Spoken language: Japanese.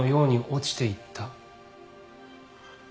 落ちていった。